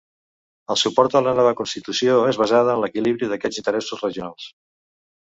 El suport a la nova constitució es basava en l'equilibri d'aquests interessos regionals.